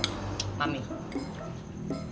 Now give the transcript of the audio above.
jadi sekarang apa sih ya